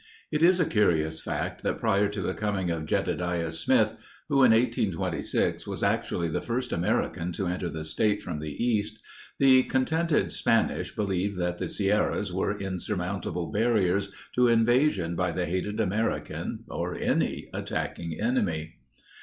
It is a curious fact that prior to the coming of Jedediah Smith who, in 1826 was actually the first American to enter the state from the east, the contented Spanish believed that the Sierras were insurmountable barriers to invasion by the hated American or any attacking enemy.